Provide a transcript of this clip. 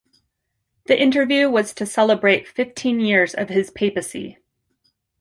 The interview was to celebrate fifteen years of his papacy.